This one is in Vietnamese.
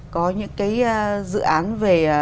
có những cái dự án về